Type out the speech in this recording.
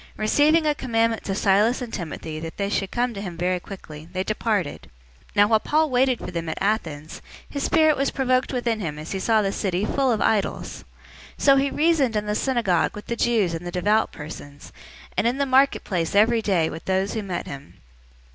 Receiving a commandment to Silas and Timothy that they should come to him very quickly, they departed. 017:016 Now while Paul waited for them at Athens, his spirit was provoked within him as he saw the city full of idols. 017:017 So he reasoned in the synagogue with the Jews and the devout persons, and in the marketplace every day with those who met him.